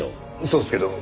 そうですけど。